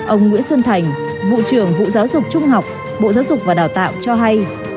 ông nguyễn xuân thành vụ trưởng vụ giáo dục trung học bộ giáo dục và đào tạo cho hay